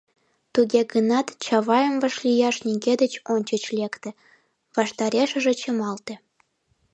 Туге гынат Чавайым вашлияш нигӧ деч ончыч лекте, ваштарешыже чымалте.